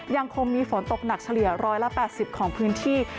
ยังคงมีฝนตกหนักเฉลี่ย๑๘๐ของพื้นที่